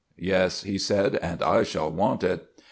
"Yes," he said, "and I shall want it."